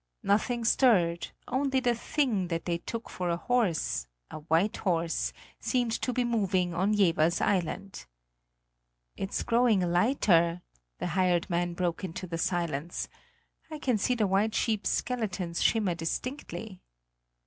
Nothing stirred; only the thing that they took for a horse a white horse seemed to be moving on Jevers Island. "It is growing lighter," the hired man broke into the silence; "I can see the white sheeps' skeletons shimmer distinctly!"